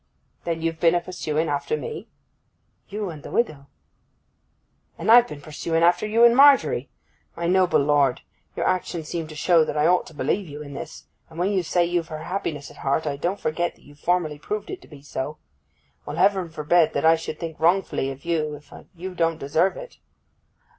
'Then you've been a pursuing after me?' 'You and the widow.' 'And I've been pursuing after you and Margery! My noble lord, your actions seem to show that I ought to believe you in this; and when you say you've her happiness at heart, I don't forget that you've formerly proved it to be so. Well, Heaven forbid that I should think wrongfully of you if you don't deserve it!